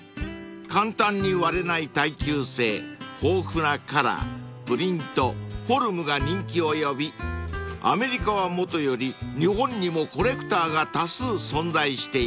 ［簡単に割れない耐久性豊富なカラープリントフォルムが人気を呼びアメリカはもとより日本にもコレクターが多数存在しています］